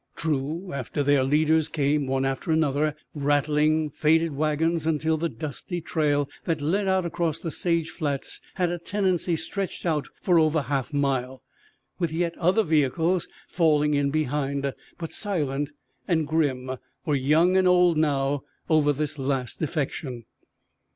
True, after their leaders came, one after another, rattling, faded wagons, until the dusty trail that led out across the sage flats had a tenancy stretched out for over a half mile, with yet other vehicles falling in behind; but silent and grim were young and old now over this last defection.